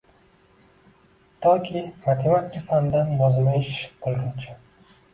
Toki matematika fanidan yozma ish bo`lguncha